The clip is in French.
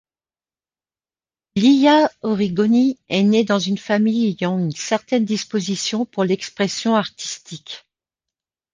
Lia Origoni est née dans une famille ayant une certaine disposition pour l'expression artistique.